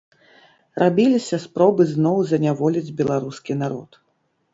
Рабіліся спробы зноў заняволіць беларускі народ.